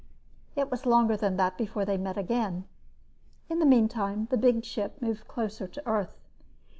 It was longer than that before they met again. In the meantime the ship moved much closer to Earth.